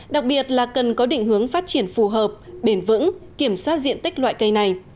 đặc biệt là cần có định hướng phát triển phù hợp bền vững kiểm soát diện tích loại cây này